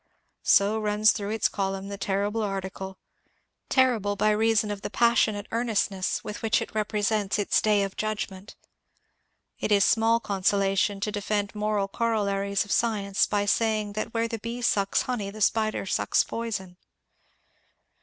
So runs through its column the terrible article, — terrible by reason of the passionate earnestness with which it repre sents its day of judgment. It is small consolation to defend moral corollaries of science by saying that where the bee sucks honey the spider sucks poison.